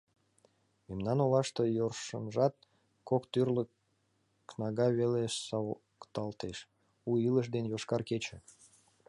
Мемнан олаште йӧршынжат кок тӱрлӧ кнага веле савыкталтеш: «У илыш» ден «Йошкар кече».